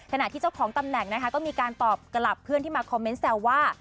ขณะที่เจ้าของตำแหน่งนะคะก็มีการตอบกลับเพื่อนที่มาคอมเมนต์แซวว่า